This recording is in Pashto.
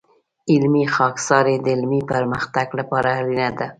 علمي خاکساري د علمي پرمختګ لپاره اړینه ده.